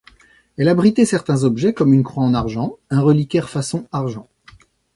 Elle abritait certains objets comme une croix en argent, un reliquaire façon argent.